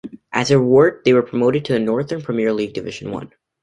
As a reward they were promoted to the Northern Premier League Division One.